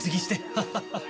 ハハハハ。